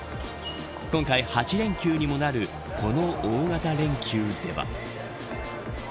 今回８連休にもなるこの大型連休では。